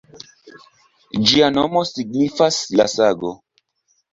Ĝia nomo signifas “La Sago”.